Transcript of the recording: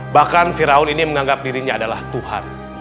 bahkan firaun ini menganggap dirinya adalah tuhan